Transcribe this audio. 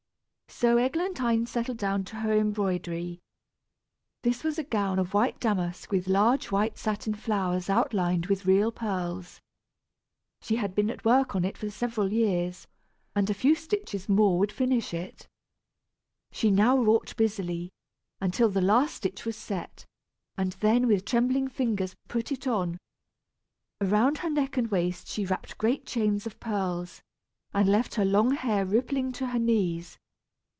So Eglantine settled down to her embroidery. This was a gown of white damask with large white satin flowers outlined with real pearls. She had been at work on it for several years, and a few stitches more would finish it. She now wrought busily, until the last stitch was set, and then, with trembling fingers, put it on. Around her neck and waist she wrapped great chains of pearls, and left her long hair rippling to her knees.